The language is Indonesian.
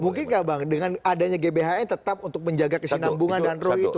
mungkin nggak bang dengan adanya gbhn tetap untuk menjaga kesinambungan dan ru itu